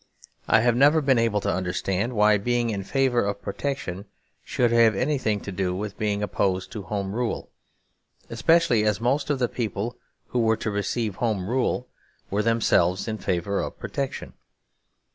I have never been able to understand why being in favour of Protection should have anything to do with being opposed to Home Rule; especially as most of the people who were to receive Home Rule were themselves in favour of Protection.